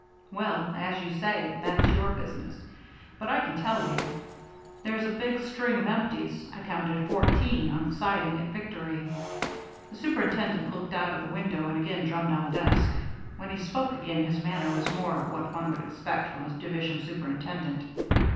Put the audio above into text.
"Well, as you say, that's your business. But I can tell you. There's a big string of empties I counted fourteen on the siding at Victory." The superintendent looked out of the window and again drummed on the desk. When he spoke again, his manner was more what one would expect from a division superintendent.